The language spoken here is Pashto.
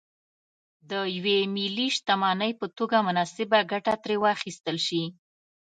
د یوې ملي شتمنۍ په توګه مناسبه ګټه ترې واخیستل شي.